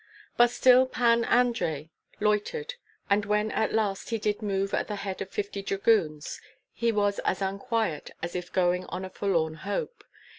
But still Pan Andrei loitered, and when at last he did move at the head of fifty dragoons, he was as unquiet as if going on a forlorn hope.